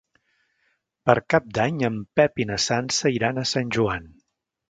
Per Cap d'Any en Pep i na Sança iran a Sant Joan.